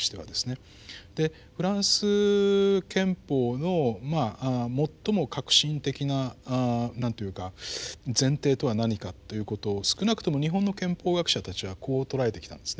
でフランス憲法の最も核心的ななんと言うか前提とは何かということを少なくとも日本の憲法学者たちはこう捉えてきたんですね。